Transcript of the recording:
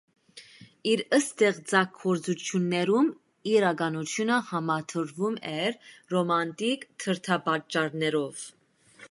Իր ստեղծագործություններում իրականությունը համադրվում էր ռոմանտիկ դրդապատճառներով։